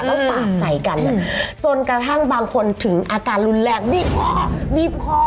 แล้วสาดใส่กันจนกระทั่งบางคนถึงอาการรุนแรงบีบคอบีบคอ